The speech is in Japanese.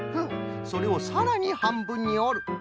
それをさらにはんぶんにおる。